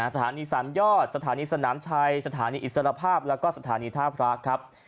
สถานีสามยอดสถานีสนามชัยสถานีอิสรภาพแล้วก็สถานีท่าพระครับ